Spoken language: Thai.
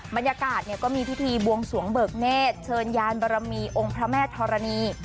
บรรยากาศเนี่ยก็มีพิธีบวงสวงเบิกเนธเชิญยานบรมีองค์พระแม่ธรณี